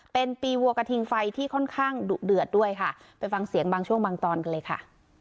เป็นปีวัวกระทิงไฟที่ค่อนข้างดุเดือดด้วยค่ะไปฟังเสียงบางช่วงบางตอนกันเลยค่ะ